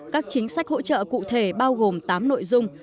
các chính sách hỗ trợ cụ thể bao gồm tám nội dung